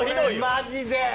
マジで！